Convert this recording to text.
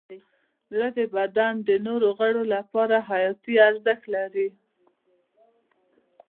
زړه د بدن د نورو غړو لپاره حیاتي ارزښت لري.